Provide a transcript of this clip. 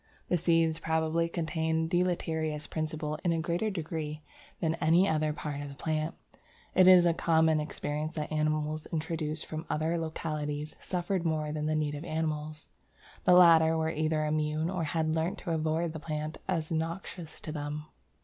The seeds probably contain the deleterious principle in a greater degree than any other part of the plant. It was a common experience that animals introduced from other localities suffered more than the native animals. The latter were either immune or had learnt to avoid the plant as noxious to them."